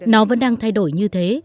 nó vẫn đang thay đổi như thế